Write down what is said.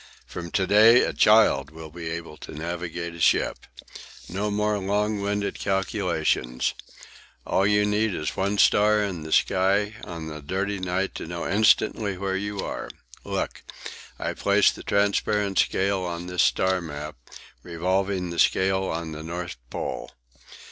"From to day a child will be able to navigate a ship. No more long winded calculations. All you need is one star in the sky on a dirty night to know instantly where you are. Look. I place the transparent scale on this star map, revolving the scale on the North Pole.